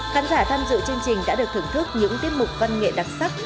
khán giả tham dự chương trình đã được thưởng thức những tiết mục văn nghệ đặc sắc